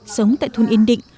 sống tại thôn yên định